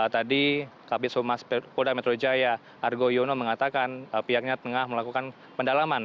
tadi kabit humas polda metro jaya argo yono mengatakan pihaknya tengah melakukan pendalaman